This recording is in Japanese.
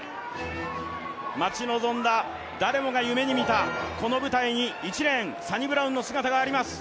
待ち望んだ、誰もが夢に見たこの舞台に１レーン、サニブラウンの姿があります。